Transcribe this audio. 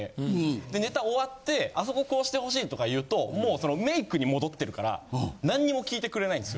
でネタ終わってあそここうしてほしいとか言うともうそのメイクに戻ってるから何にも聞いてくれないんですよ。